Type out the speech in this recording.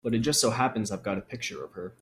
But it just so happens I've got a picture of her.